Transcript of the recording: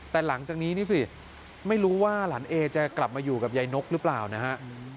แต่หลังจากนี้นี่สิไม่รู้ว่าหลานเอจะกลับมาอยู่กับยายนกหรือเปล่านะฮะ